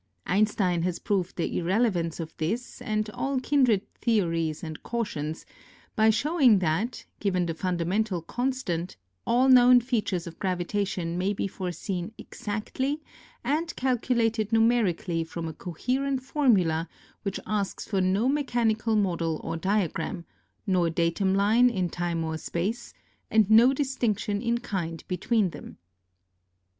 Einstein has proved the irrele vance of this and all kindred theories and cautions by showing that, given the fundamental constant, all known features of gravitation may be foreseen exactly and calculated numerically from a coherent formula which asks for no mechanical model or diagram, no datum line in time or space, and no distinction in kind between them.